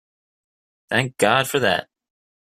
Thank God for that!